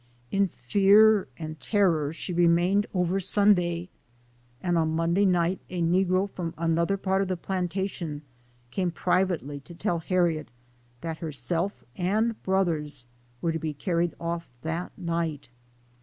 In fear and terror, she remained over Sunday, and on Monday night a negro from another part of the plantation came privately to tell Harriet that herself and brothers were to be carried off that night.